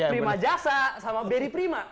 prima jasa sama beri prima